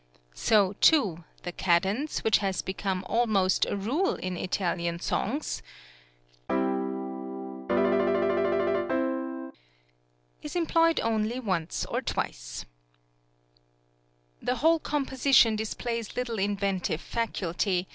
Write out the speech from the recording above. So, too, the cadence, which had become almost a rule in Italian songs is employed only once or twice. [See Page Image] The whole composition displays little inventive faculty